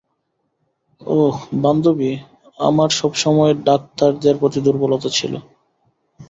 ওহ, বান্ধবী, আমার সবসময় ডাক্তারদের প্রতি দূর্বলতা ছিল।